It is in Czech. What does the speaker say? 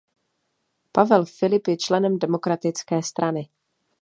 Pavel Filip je členem demokratické strany.